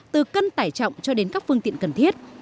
từ cân tải trọng cho đến các phương tiện cần thiết